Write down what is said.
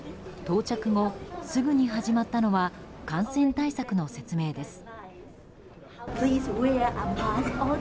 到着後、すぐに始まったのは感染対策の説明です。